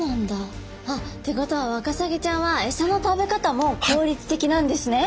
あ！ってことはワカサギちゃんはエサの食べ方も効率的なんですね。